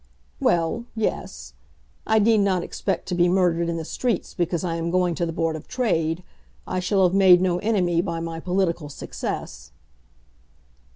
"Well; yes. I need not expect to be murdered in the streets because I am going to the Board of Trade. I shall have made no enemy by my political success."